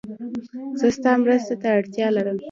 زه ستا مرسته ته اړتیا لرم.